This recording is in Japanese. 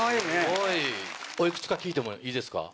おいくつか聞いてもいいですか？